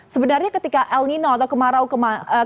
sebenarnya ketika el nino atau kemarau kemarin